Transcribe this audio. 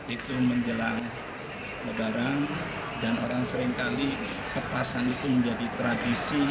itu menjelang lebaran dan orang seringkali petasan itu menjadi tradisi